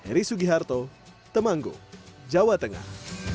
heri sugiharto temanggo jawa tengah